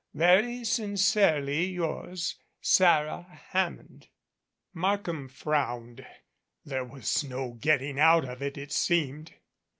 Very sincerely yours, SARAH HAMMOND. Markham frowned. There was no getting out of it, it seemed.